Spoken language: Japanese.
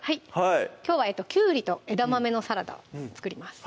きょうは「きゅうりと枝豆のサラダ」を作ります